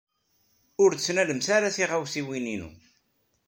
Ur ttnalemt ara tiɣawsiwin-inu!